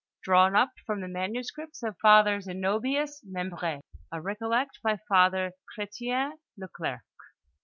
DRAWN UP FROM THE MANUSCRIPTS OF FATHER ZENOBIUS MEHBR^, A RECOLLECT BY FATHER CHRETIEN LECLERCQ.